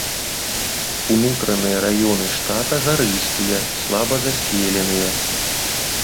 Унутраныя раёны штата гарыстыя, слаба заселеныя.